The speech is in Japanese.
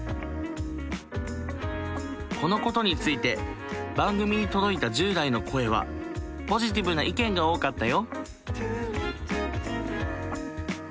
このことについて番組に届いた１０代の声はポジティブな意見が多かったよ。